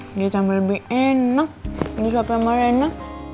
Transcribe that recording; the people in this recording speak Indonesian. ini sama lebih enak disuapin sama rena